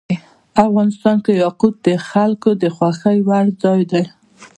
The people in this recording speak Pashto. افغانستان کې یاقوت د خلکو د خوښې وړ ځای دی.